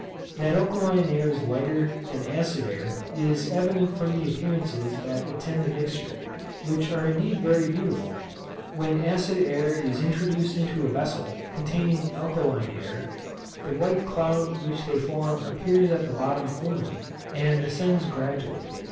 That alkaline air is lighter than acid air is evident from the appearances that attend the mixture, which are indeed very beautiful. When acid air is introduced into a vessel containing alkaline air, the white cloud which they form appears at the bottom only, and ascends gradually.